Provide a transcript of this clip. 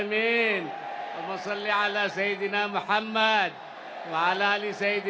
supaya putih putih menang di dalam pilpres